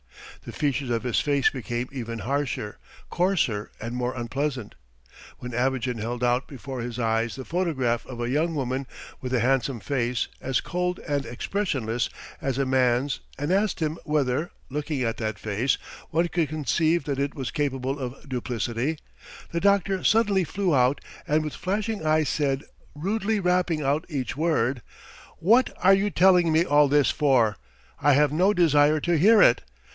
The features of his face became even harsher, coarser, and more unpleasant. When Abogin held out before his eyes the photograph of a young woman with a handsome face as cold and expressionless as a nun's and asked him whether, looking at that face, one could conceive that it was capable of duplicity, the doctor suddenly flew out, and with flashing eyes said, rudely rapping out each word: "What are you telling me all this for? I have no desire to hear it!